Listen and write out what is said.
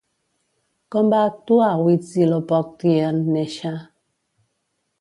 Com va actuar Huitzilopochtli en néixer?